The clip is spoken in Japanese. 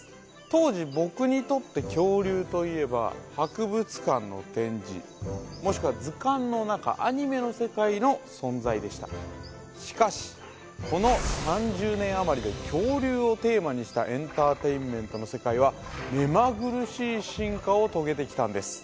当時僕にとって恐竜といえば博物館の展示もしくは図鑑の中アニメの世界の存在でしたしかしこの３０年余りで恐竜をテーマにしたエンターテインメントの世界はめまぐるしい進化を遂げてきたんです